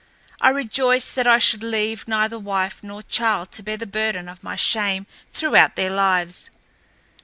I rejoiced that I should leave neither wife nor child to bear the burden of my shame throughout their lives.